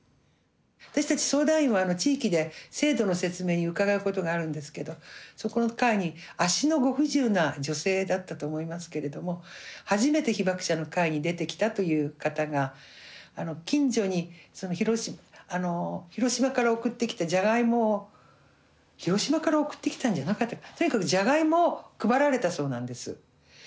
私たち相談員は地域で制度の説明に伺うことがあるんですけどそこの会に足のご不自由な女性だったと思いますけれども初めて被爆者の会に出てきたという方が近所に広島から送ってきたジャガイモを広島から送ってきたんじゃなかったかな。